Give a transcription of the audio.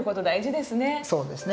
そうですね。